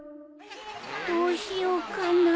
どうしようかな